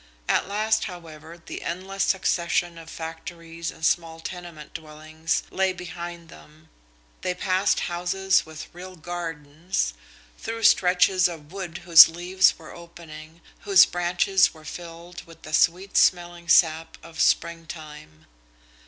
At last, however, the endless succession of factories and small tenement dwellings lay behind them. They passed houses with real gardens, through stretches of wood whose leaves were opening, whose branches were filled with the sweet smelling sap of springtime.